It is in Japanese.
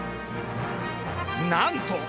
なんと！